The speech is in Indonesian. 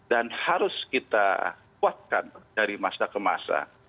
harus kita kuatkan dari masa ke masa